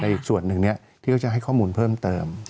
อีกส่วนหนึ่งที่เขาจะให้ข้อมูลเพิ่มเติม